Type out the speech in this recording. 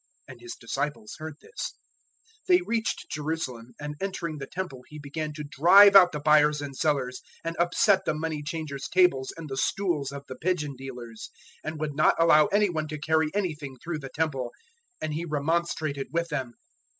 And His disciples heard this. 011:015 They reached Jerusalem, and entering the Temple He began to drive out the buyers and sellers, and upset the money changers' tables and the stools of the pigeon dealers, 011:016 and would not allow any one to carry anything through the Temple. 011:017 And He remonstrated with them.